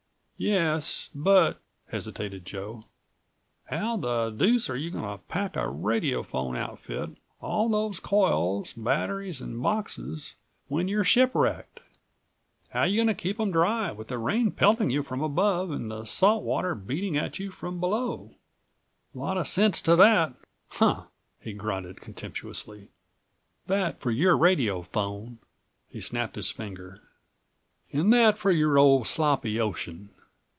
"Yes, but," hesitated Joe, "how the deuce you going to pack a radiophone outfit, all those coils, batteries and boxes, when you're shipwrecked? How you going to keep 'em dry with the rain pelting you from above and the salt water beating at you from below? Lot of sense to that! Huh!" he grunted contemptuously. "That for your radiophone!" He snapped his finger. "And that for your old sloppy ocean!